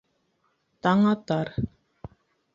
Таңатар: